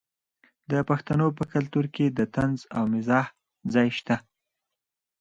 د پښتنو په کلتور کې د طنز او مزاح ځای شته.